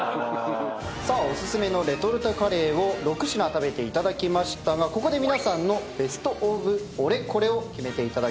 さあお薦めのレトルトカレーを６品食べていただきましたがここで皆さんのベストオブオレコレを決めていただきたいと思います。